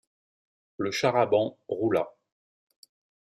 Le char-à-bancs roula.